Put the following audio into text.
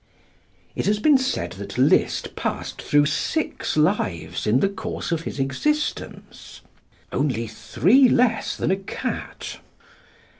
It has been said that Liszt passed through six lives in the course of his existence only three less than a cat.